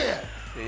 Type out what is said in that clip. え！